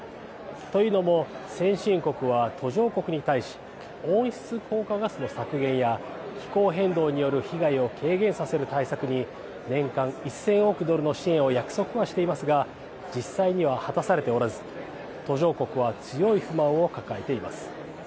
と言うのも先進国は途上国に対し温室効果ガスの削減や気候変動による被害を軽減させる対策に年間１０００億ドルの支援を約束はしていますが実際には果たされてはおらず途上国は強い不満を抱えています。